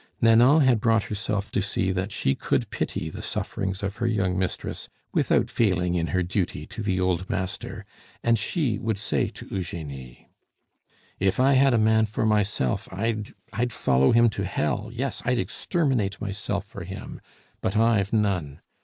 Nanon had brought herself to see that she could pity the sufferings of her young mistress without failing in her duty to the old master, and she would say to Eugenie, "If I had a man for myself I'd I'd follow him to hell, yes, I'd exterminate myself for him; but I've none.